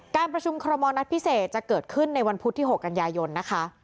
การประชุมคอรมอลนัดพิเศษจะเกิดขึ้นในวันพุธที่๖กันยายนนะคะ